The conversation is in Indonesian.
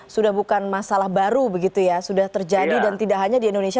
sudah bukan masalah baru begitu ya sudah terjadi dan tidak hanya di indonesia